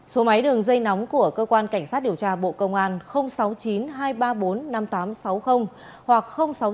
số máy đường dây nóng của cơ quan cảnh sát điều tra bộ công an sáu mươi chín hai trăm ba mươi bốn năm nghìn tám trăm sáu mươi hoặc sáu mươi chín hai trăm ba mươi hai một nghìn sáu trăm sáu mươi